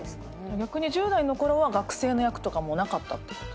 逆に１０代のころは学生の役とかなかったってことですか？